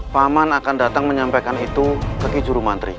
paman akan datang menyampaikan itu ke kijurumantri